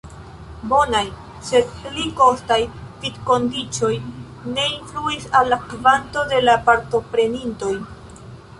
Bonaj, sed pli kostaj, vivkondiĉoj ne influis al la kvanto de la partoprenintoj.